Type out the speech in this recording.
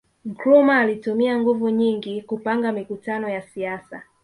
Nkrumah alitumia nguvu nyingi kupanga mikutano ya siasa